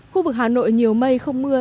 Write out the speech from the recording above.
khu vực hà nội nhiều mây không mưa